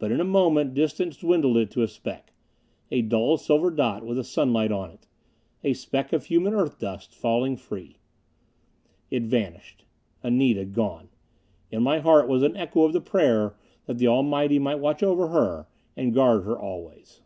But in a moment distance dwindled it to a speck. A dull silver dot with the sunlight on it. A speck of human Earth dust, falling free.... It vanished. Anita gone. In my heart was an echo of the prayer that the Almighty might watch over her and guard her always....